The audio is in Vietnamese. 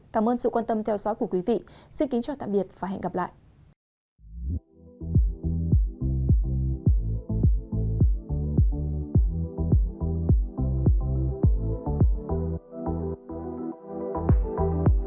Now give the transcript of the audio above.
cảm ơn sự quan tâm theo dõi của quý vị xin kính chào tạm biệt và hẹn gặp lại